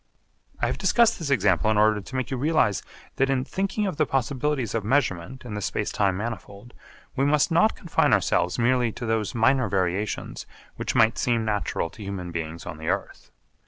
I have discussed this example in order to make you realise that in thinking of the possibilities of measurement in the space time manifold, we must not confine ourselves merely to those minor variations which might seem natural to human beings on the earth.